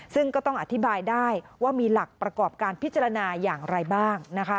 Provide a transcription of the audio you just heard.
ซึ่งก็ต้องอธิบายได้ว่ามีหลักประกอบการพิจารณาอย่างไรบ้าง